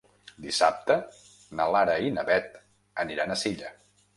Dissabte na Lara i na Beth aniran a Silla.